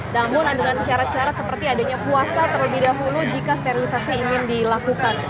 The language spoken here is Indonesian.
namun dengan syarat syarat seperti adanya puasa terlebih dahulu jika sterilisasi ingin dilakukan